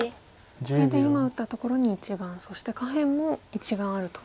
これで今打ったところに１眼そして下辺も１眼あると。